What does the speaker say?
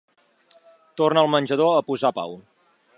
Torna al menjador a posar pau.